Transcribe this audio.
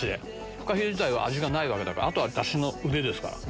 フカヒレ自体味はないからあとはダシの腕ですから。